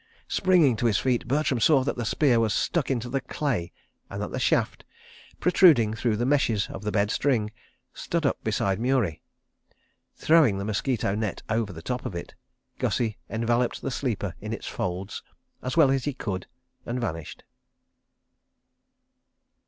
Springing to his feet, Bertram saw that the spear was stuck into the clay and that the shaft, protruding through the meshes of the bed string, stood up beside Murie. Throwing the mosquito net over the top of it, Gussie enveloped the sleeper in its folds, as well as he could, and vanished.